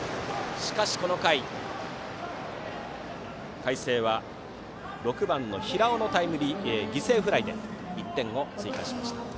しかしこの回、海星は６番の平尾の犠牲フライで１点を追加しました。